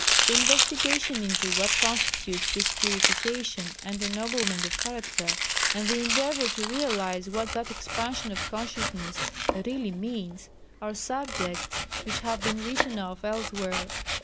The investigation into what constitutes this purification and ennoblement of character, and the endeavour to realise what that expansion of consciousness really means are subjects which have been written of elsewhere.